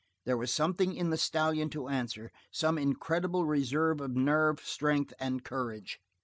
There was something in the stallion to answer, some incredible reserve of nerve strength and courage.